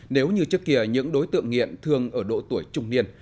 nếu như trước kia những đối tượng nghiện thường ở độ tuổi trung niên